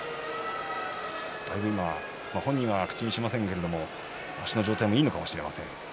だいぶ今、本人は口にしませんけれども足の状態もいいのかもしれません。